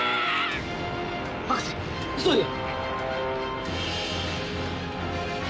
博士急いで！